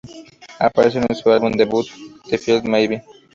Aparece en su álbum debut, "Definitely Maybe".